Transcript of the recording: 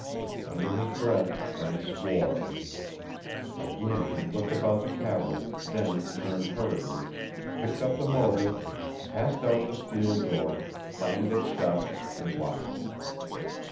Under his breath, Brent swore. Again he looked about the cavern, then turned hurriedly, picked up the motor, passed out the steel door, clanged it shut, and locked it.